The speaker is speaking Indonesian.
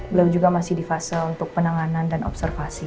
beliau juga masih di fase untuk penanganan dan observasi